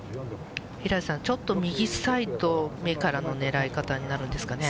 平瀬さん、ちょっと右サイド目からのねらい方になるんですかね。